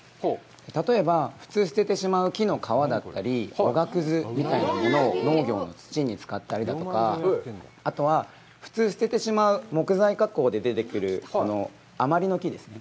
例えば、普通捨ててしまう木の皮だったりおがくずみたいなものを農業の土に使ったりだとか、あとは、普通捨ててしまう木材加工で出てくる余りの木ですね。